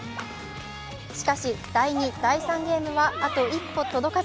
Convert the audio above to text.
しかし、第２、第３ゲームはあと一歩届かず。